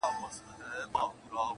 چي پرې تايٌید د میني ولګوم داغ یې کړمه,